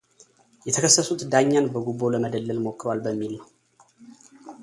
የተከሰሱት ዳኛን በጉቦ ለመደለል ሞክረዋል በሚል ነው።